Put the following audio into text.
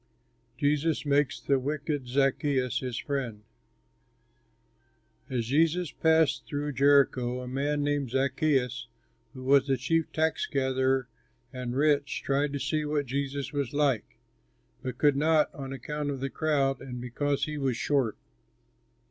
JESUS MAKES THE WICKED ZACCHEUS HIS FRIEND As Jesus passed through Jericho a man named Zaccheus, who was the chief tax gatherer and rich, tried to see what Jesus was like, but could not on account of the crowd and because he was short.